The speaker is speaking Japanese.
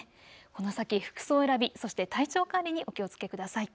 この先、服装選び、そして体調管理にお気をつけください。